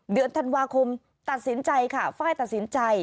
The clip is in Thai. เดือนธันวาคมตัดสินใจค่ะไฟล์ตัดสินใจ